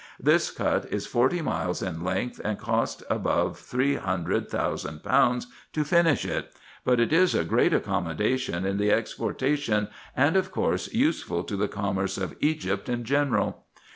This cut is forty miles in length, and cost above three hundred thousand pounds to finish it ; but it is a great accommodation in the exportation, and of course useful to the commerce of Egypt in general.